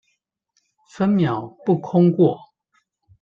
分秒不空過